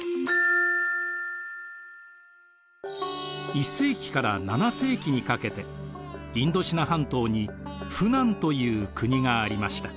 １世紀から７世紀にかけてインドシナ半島に扶南という国がありました。